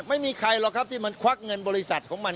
ไม่มีใครหรอกครับที่มันควักเงินบริษัทของมัน